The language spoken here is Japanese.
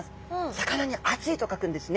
「魚」に「暑い」と書くんですね。